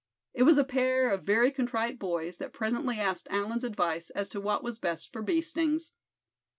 It was a pair of very contrite boys that presently asked Allan's advice as to what was best for bee stings.